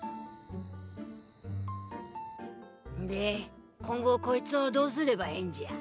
で今後こいつをどうすればいいんじゃ。